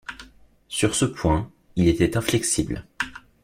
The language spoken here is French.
Sur ce point, il était inflexible.